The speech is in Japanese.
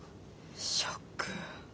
ショック。